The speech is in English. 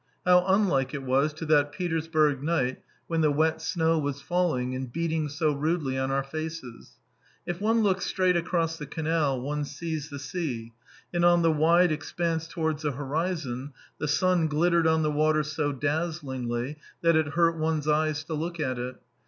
How unlike it was to that Petersburg night when the wet snow was falling and beating so rudely on our faces. If one looks straight across the canal, one sees the sea, and on the wide expanse towards the horizon the sun glittered on the water so dazzlingly that it hurt one's eyes to look at it.